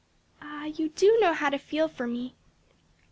"Ah, you do know how to feel for me!"